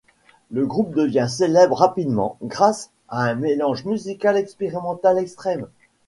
Le groupe devient célèbre rapidement, grâce à un mélange musical expérimental extrême.